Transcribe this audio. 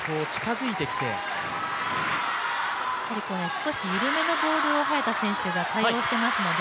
少し緩めのボールを早田選手が対応していますよね。